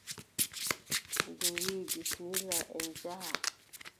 Ndu wiʼi : bisimilla en njaha.